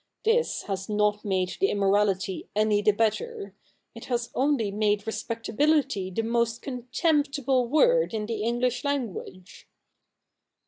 This has not made the immorality any the better; it has only made respectability the most contemptible word in the English language.'